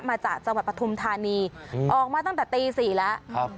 มาจากจังหวัดปฐุมธานีออกมาตั้งแต่ตีสี่แล้วครับ